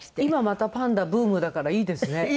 今またパンダブームだからいいですね。